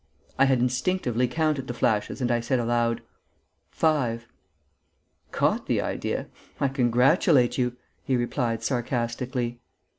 I had instinctively counted the flashes and I said, aloud: "5...." "Caught the idea? I congratulate you!" he replied, sarcastically.